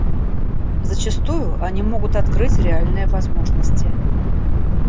Зачастую они могут открыть реальные возможности.